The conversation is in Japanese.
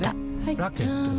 ラケットは？